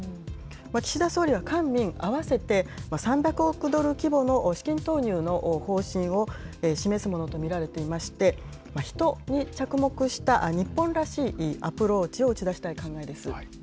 岸田総理は、官民合わせて３００億ドル規模の資金投入の方針を示すものと見られていまして、人に着目した日本らしいアプローチを打ち出したい考えです。